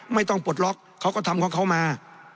ปลดล็อกเขาก็ทำของเขามา